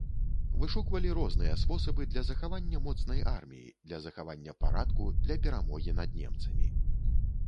Вышуквалі розныя спосабы для захавання моцнай арміі, для захавання парадку, для перамогі над немцамі.